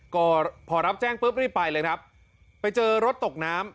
ก็พอรับแจ้งปุ๊บรีบไปเลยครับไปเจอรถตกน้ำ